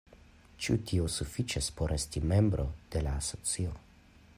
Ĉu tio sufiĉas por esti membro de la asocio?